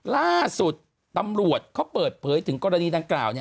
ล่าสุดตำรวจเขาเปิดเผยถึงกรณีดังกล่าว